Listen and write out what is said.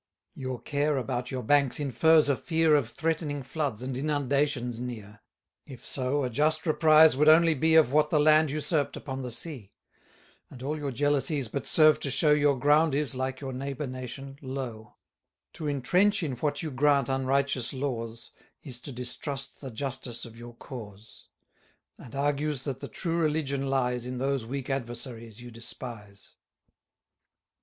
Your care about your banks infers a fear 860 Of threatening floods and inundations near; If so, a just reprise would only be Of what the land usurp'd upon the sea; And all your jealousies but serve to show Your ground is, like your neighbour nation, low. To intrench in what you grant unrighteous laws, Is to distrust the justice of your cause; And argues that the true religion lies In those weak adversaries you despise.